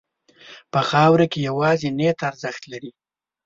په خاوره کې یوازې نیت ارزښت لري.